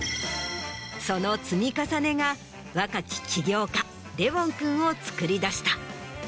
その積み重ねが若き起業家レウォン君をつくり出した。